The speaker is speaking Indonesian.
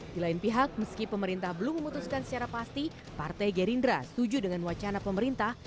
di lain pihak meski pemerintah belum memutuskan secara pasti partai gerindra setuju dengan wacana pemerintah